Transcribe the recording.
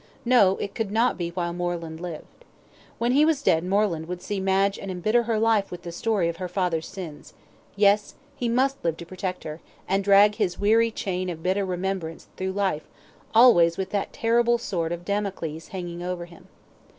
no, it could not be while Moreland lived. When he was dead Moreland would see Madge and embitter her life with the story of her father's sins yes he must live to protect her, and drag his weary chain of bitter remembrance through life, always with that terrible sword of Damocles hanging over him.